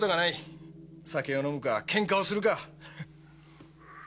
酒を飲むか喧嘩をするか！